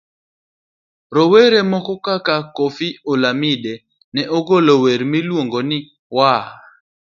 Rowere moko kaka Koffi Olomide ne ogolo wer moro miluongo ni 'Waah!